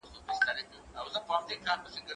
زه به اوږده موده پاکوالي ساتلي وم!!